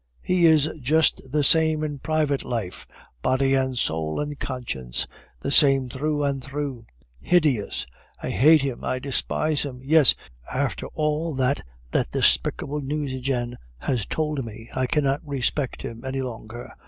He is just the same in private life body and soul and conscience the same through and through hideous! I hate him; I despise him! Yes, after all that that despicable Nucingen has told me, I cannot respect him any longer.